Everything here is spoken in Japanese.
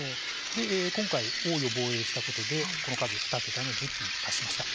今回、王位を防衛したことでこの数、２桁の１０期に達しました。